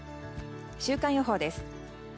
週間予報です。